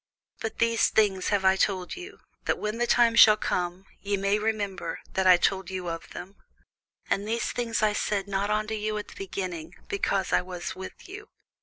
But these things have I told you, that when the time shall come, ye may remember that I told you of them. And these things I said not unto you at the beginning, because I was with you.